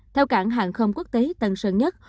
theo cảng hàng không quốc tế tân sơn nhất